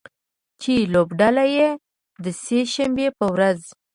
چې لوبډله یې د سې شنبې په ورځ